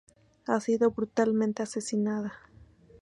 Ha sido brutalmente asesinada.